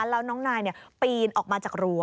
แล้วน้องนายปีนออกมาจากรั้ว